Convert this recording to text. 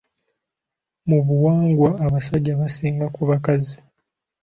Mu buwangwa abasajja basinga ku bakazi.